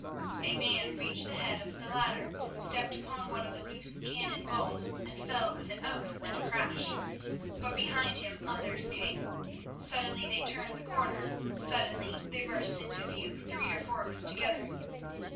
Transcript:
A man reached the head of the ladder, stepped upon one of the loose cannon balls and fell with an oath and a crash. But behind him came others. Suddenly they turned the corner, suddenly they burst into view, three or four of them together.